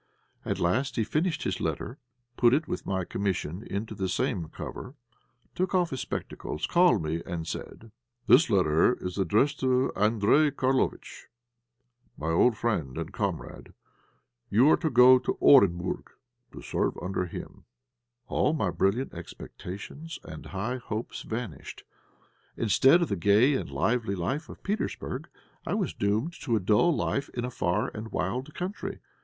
At last he finished his letter, put it with my commission into the same cover, took off his spectacles, called me, and said "This letter is addressed to Andréj Karlovitch R., my old friend and comrade. You are to go to Orenburg to serve under him." All my brilliant expectations and high hopes vanished. Instead of the gay and lively life of Petersburg, I was doomed to a dull life in a far and wild country.